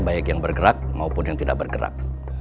baik yang bergerak maupun yang tidak bergerak